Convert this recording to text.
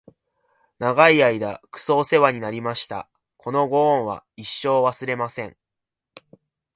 長い間クソおせわになりました！！！このご恩は一生、忘れません！！